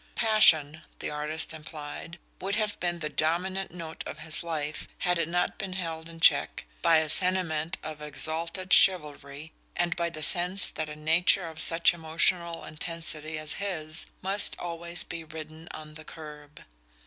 "Passion," the artist implied, would have been the dominant note of his life, had it not been held in check by a sentiment of exalted chivalry, and by the sense that a nature of such emotional intensity as his must always be "ridden on the curb."